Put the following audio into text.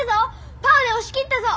パーで押し切ったぞッ！